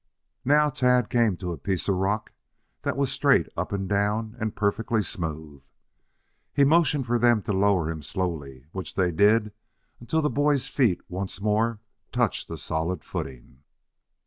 Now Tad came to a piece of rock that was straight up and down and perfectly smooth. He motioned for them to lower him slowly, which they did until the boy's feet once more touched a solid footing.